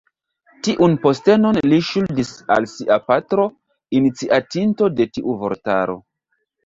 Tiun postenon li ŝuldis al sia patro, iniciatinto de tiu vortaro.